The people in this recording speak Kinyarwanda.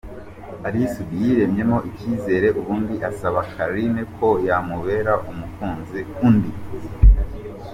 Ally Soudy yiremyemo icyizere ubundi asaba Carine ko yamubera umukunzi undi